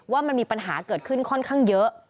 ว่ามันมีปัญหาเกิดขึ้นค่อนข้างเยอะ